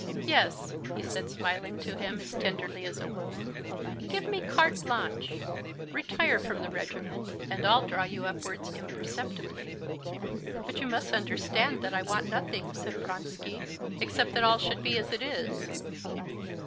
Yes," he said, smiling to him as tenderly as a woman, "give me carte blanche, retire from the regiment, and I'll draw you upwards imperceptibly." "But you must understand that I want nothing," said Vronsky, "except that all should be as it is."